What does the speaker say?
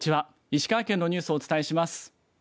石川県のニュースをお伝えします。